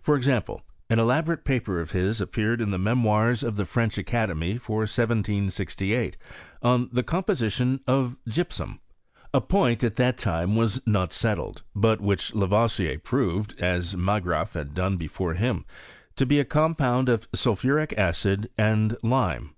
For example: an elaborate paper of his appeared in the Memoirs of the French Academy, for 1768, on the composition of gipsum — a point at that time not settled ; but which Lavoisier proved, as Margraaf had done before him, to be a compound of sulphuric acid and lime.